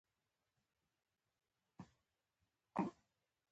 ملګری له تا سره هر حال کې وي